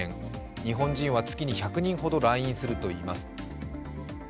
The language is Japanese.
日本人は月に１００人ほど来院するといいます。